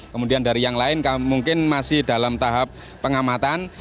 kemudian dari yang lain mungkin masih dalam tahap pengamatan